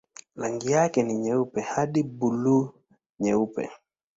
Rangi yake ni nyeupe hadi buluu-nyeupe.